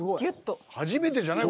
初めてじゃない？